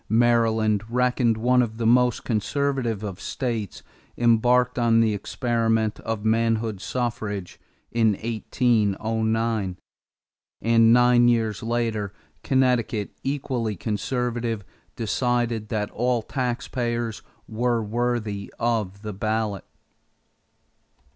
Maryland, reckoned one of the most conservative of states, embarked on the experiment of manhood suffrage in 1809; and nine years later, Connecticut, equally conservative, decided that all taxpayers were worthy of the ballot.